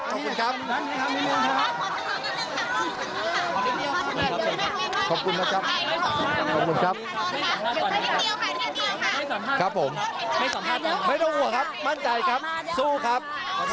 สู้ครับสู้ครับ